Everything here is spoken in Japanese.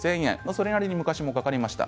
それなりに昔もかかりました。